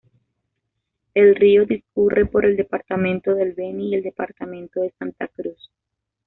El río discurre por el departamento del Beni y el departamento de Santa Cruz.